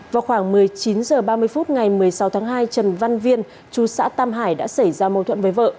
vào khoảng một mươi chín h ba mươi phút ngày một mươi sáu tháng hai trần văn viên chú xã tam hải đã xảy ra mâu thuẫn với vợ